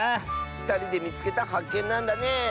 ふたりでみつけたはっけんなんだね！